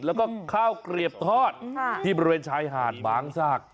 แล้วก็ข้าวเกลียบทอดที่บริเวณชายหาดบางซาก